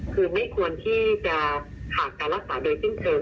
คือไม่ควรที่จะขาดการรักษาโดยสิ้นเชิง